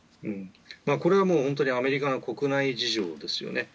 これはアメリカの国内事情ですね。